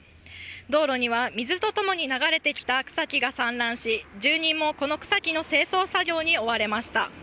道路には、水とともに流れてきた草木が散乱し、住人もこの草木の清掃作業に追われました。